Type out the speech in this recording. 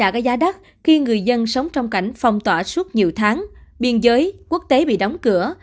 đã có giá đắt khi người dân sống trong cảnh phong tỏa suốt nhiều tháng biên giới quốc tế bị đóng cửa